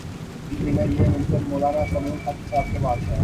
ان دنوں یہ منصب مو لانا سمیع الحق صاحب کے پاس ہے۔